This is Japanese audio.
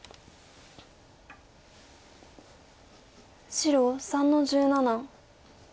白３の十七。